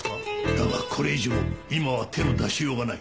だがこれ以上今は手の出しようがない。